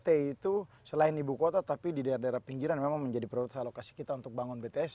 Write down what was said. t itu selain ibu kota tapi di daerah daerah pinggiran memang menjadi prioritas alokasi kita untuk bangun bts